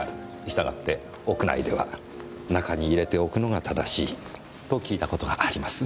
したがって屋内では中に入れておくのが正しいと聞いた事があります。